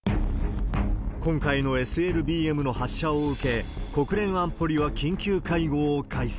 今回のＳＬＢＭの発射を受け、国連安保理は緊急会合を開催。